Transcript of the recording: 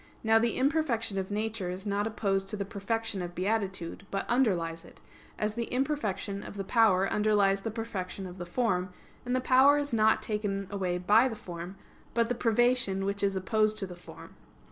Now the imperfection of nature is not opposed to the perfection of beatitude, but underlies it; as the imperfection of the power underlies the perfection of the form, and the power is not taken away by the form, but the privation which is opposed to the form.